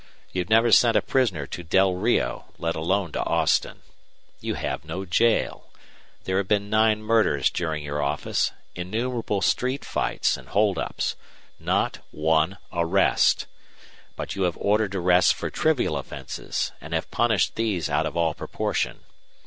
You've never sent a prisoner to Del Rio, let alone to Austin. You have no jail. There have been nine murders during your office innumerable street fights and holdups. Not one arrest! But you have ordered arrests for trivial offenses, and have punished these out of all proportion.